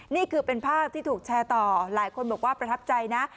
นี่คือเป็นภาพที่ถูกแชร์ต่อหลายคนบอกว่าประทับใจนะ